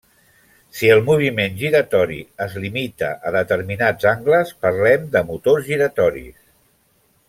Si el moviment giratori es limita a determinats angles, parlem de motors giratoris.